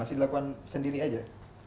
masih dilakukan sendiri aja